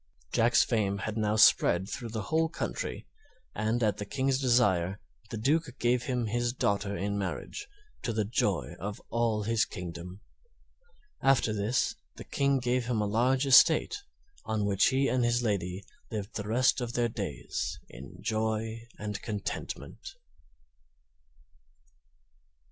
Jack's fame had now spread through the whole country, and at the King's desire the Duke gave him his daughter in marriage, to the joy of all his kingdom. After this the King gave him a large estate, on which he and his lady lived the rest of their days in joy and contentment.